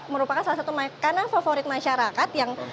merupakan salah satu makanan favorit masyarakat yang